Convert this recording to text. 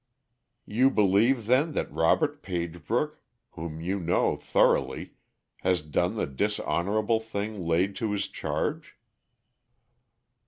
"You believe then that Robert Pagebrook, whom you know thoroughly, has done the dishonorable things laid to his charge?"